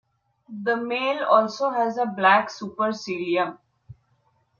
The male also has a black supercilium.